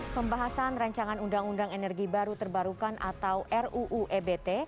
pembahasan rancangan undang undang energi baru terbarukan atau ruu ebt